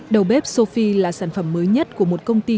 đầu bếp sophie là sản phẩm mới nhất của một công ty